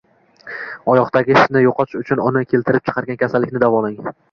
Oyoqdagi shishni yo‘qotish uchun uni keltirib chiqargan kasallikni davolang.